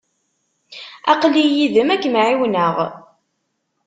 Aql-i yid-m ad kem-ɛiwneɣ.